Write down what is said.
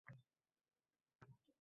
Osmonga qarab iltijo qilganmish.